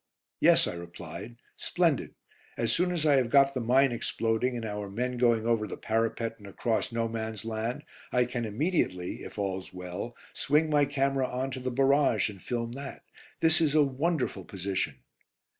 "Yes," I replied; "splendid. As soon as I have got the mine exploding, and our men going over the parapet and across 'No Man's Land,' I can immediately if all's well swing my camera on to the barrage and film that. This is a wonderful position."